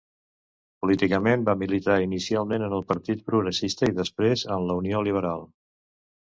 Políticament va militar inicialment en el Partit Progressista i després en la Unió Liberal.